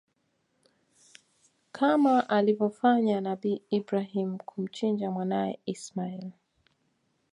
Kama alivyofanya nabii Ibrahim kumchinja mwanae Ismail